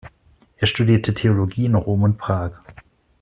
Er studierte Theologie in Rom und Prag.